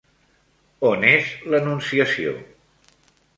On és l'Anunciació?